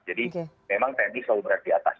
jadi memang tni selalu berada di atas